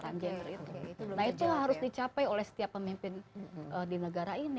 nah itu yang harus dicapai oleh setiap pemimpin di negara ini